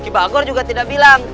kibagor juga tidak bilang